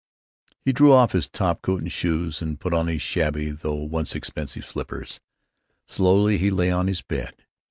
He drew off his top coat and shoes, and put on his shabby though once expensive slippers. Slowly. He lay on his bed.